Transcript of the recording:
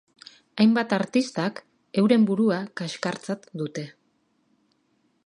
Hainbat artistak euren burua kaxkartzat dute.